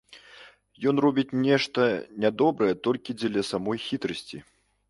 Ён робіць нешта нядобрае толькі дзеля самой хітрасці.